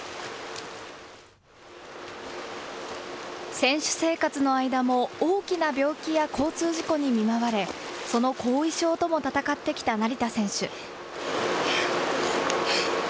選手生活の間も大きな病気や交通事故に見舞われ、その後遺症とも闘ってきた成田選手。